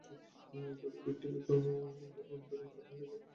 তবে ভিকটিমের যৌন অঙ্গ অভ্যন্তরীণভাবে ক্ষত হয়েছে।